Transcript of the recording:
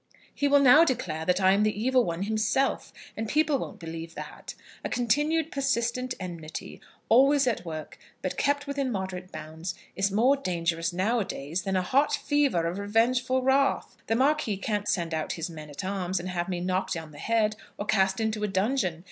He will now declare that I am the Evil One himself, and people won't believe that. A continued persistent enmity, always at work, but kept within moderate bounds, is more dangerous now a days, than a hot fever of revengeful wrath. The Marquis can't send out his men at arms and have me knocked on the head, or cast into a dungeon.